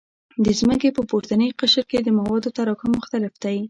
د ځمکې په پورتني قشر کې د موادو تراکم مختلف دی